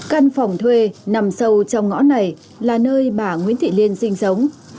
căn phòng thuê nằm sâu trong ngõ này là nơi bà nguyễn thị liên sinh sống